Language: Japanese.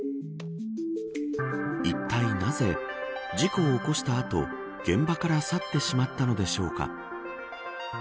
いったいなぜ事故を起こしたあと現場から去ってしまったのでしょうか。